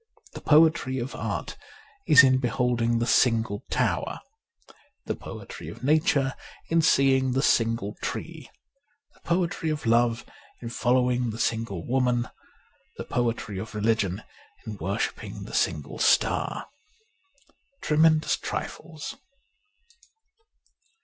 The poetry of art is in beholding the single tower ; the poetry of nature, in seeing the single tree ; the poetry of love, in following the single woman ; the poetry of religion in worshipping the single star. ' Tremendous Trifles.